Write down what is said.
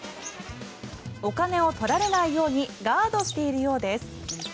お金を取られないようにガードしているようです。